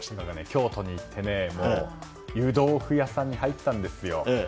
京都に行って湯豆腐屋さんに入ったんですよ。